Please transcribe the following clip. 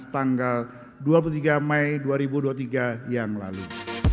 tanggal dua puluh tiga mei dua ribu dua puluh tiga yang lalu